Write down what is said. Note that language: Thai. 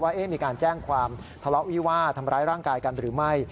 ว่ามีการแจ้งความทะเลาะวิวาดทำร้ายร่างกายกันหรือไม่